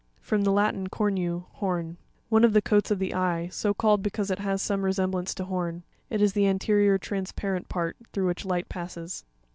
— From the Latin, cornu, horn. One of the coats of the eye, so called because it has some re semblance to horn. It is the ante rior, transparent part, through which light passes.